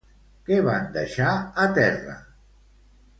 Què van deixar a terra?